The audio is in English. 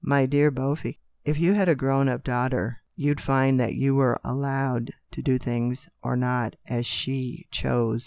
"My dear Beaufy, if you had a grown up daughter, you'd find that you were l allowed ' to do things or not, as she chose.